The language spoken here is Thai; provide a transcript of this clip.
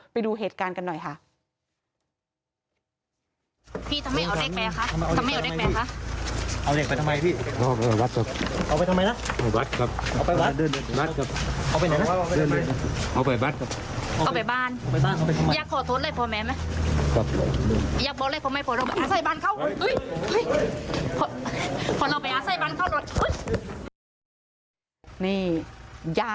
ไปดูเหตุการณ์กันหน่อยค่ะ